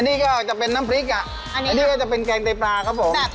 นี่ก็จะเป็นน้ำพริกอ่ะอันนี้ก็จะเป็นแกงไตปลาครับผม